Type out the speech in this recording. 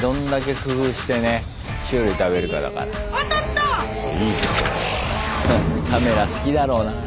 フッカメラ好きだろうなぁ。